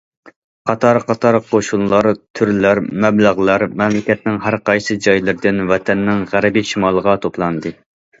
قاتار- قاتار قوشۇنلار، تۈرلەر، مەبلەغلەر مەملىكەتنىڭ ھەر قايسى جايلىرىدىن ۋەتەننىڭ غەربىي شىمالىغا توپلاندى.